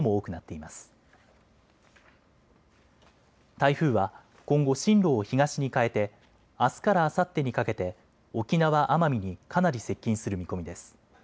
台風は今後、進路を東に変えてあすからあさってにかけて沖縄・奄美にかなり接近する見込みです。